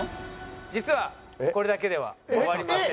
実はこれだけでは終わりません。